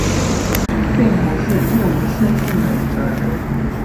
並不是一無是處的一個人